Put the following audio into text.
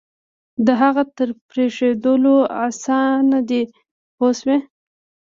د هغه تر پرېښودلو آسان دی پوه شوې!.